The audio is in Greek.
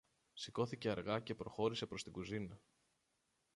Σηκώθηκε αργά και προχώρησε προς την κουζίνα